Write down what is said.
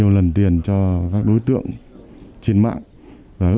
lần tiền cho các đối tượng trên mạng